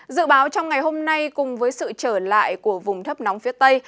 dự báo trong ngày hôm nay cùng với sự trở lại của vùng thấp nóng phía tây